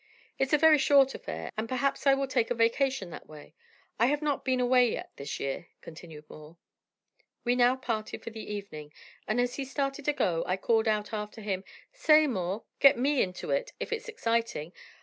It's a very short affair, and perhaps I will take a vacation that way. I have not been away yet this year," continued Moore. We now parted for the evening, and as he started to go, I called out after him: "Say, Moore, get me into it, if it's exciting.